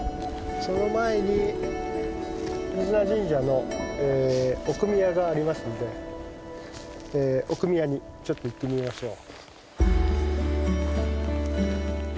その前に飯縄神社の奥宮がありますんで奥宮にちょっと行ってみましょう。